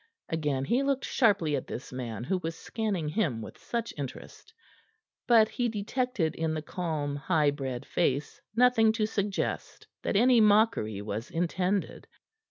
Again he looked sharply at this man who was scanning him with such interest, but he detected in the calm, high bred face nothing to suggest that any mockery was intended.